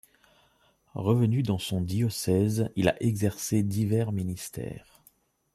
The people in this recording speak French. Revenu dans son diocèse, il a exercé divers ministères.